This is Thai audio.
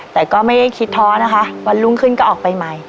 แต่ก็ไม่ได้คิดท้อนะคะวันรุ่งขึ้นก็ออกไปใหม่